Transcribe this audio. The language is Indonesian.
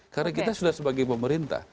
karena kita sudah sebagai pemerintah